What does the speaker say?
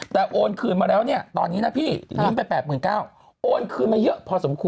แต่โอนคืนมาแล้วเนี่ยตอนนี้นะพี่ลืมไป๘๙๐๐โอนคืนมาเยอะพอสมควร